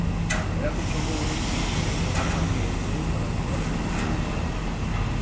এরা খুব সম্ভবত কেঁচো ও লার্ভা খেয়ে জীবন ধারণ করে।